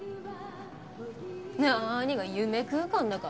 なーにが「夢空間」だか。